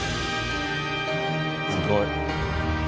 すごい。